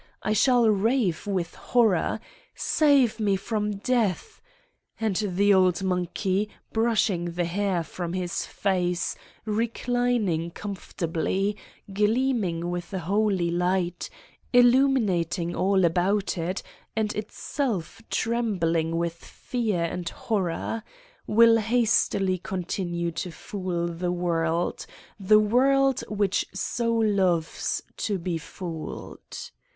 I shall rave with horror: "Save me from Death 1" And the old monkey, brushing the hair from his face, reclining comfort ably, gleaming with a holy light, illuminating all about it and itself trembling with fear and hor ror will hastily continue to fool the world, the world which so loves to be fooled!